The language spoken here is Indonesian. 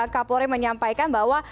kapolri menyampaikan bahwa